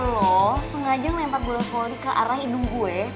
lo sengaja lempar bola volley ke arah hidung gue